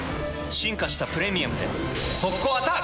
進化した「プレミアム」で速攻アタック！